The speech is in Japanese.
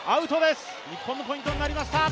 日本のポイントになりました。